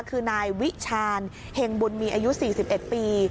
คือนายวิชาญเห็งบุญมีอายุ๔๑ปี